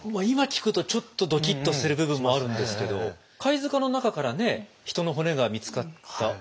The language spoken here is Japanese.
今聞くとちょっとドキッとする部分もあるんですけど貝塚の中からね人の骨が見つかった。